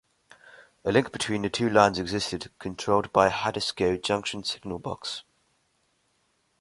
A link between the two lines existed, controlled by Haddiscoe Junction signal box.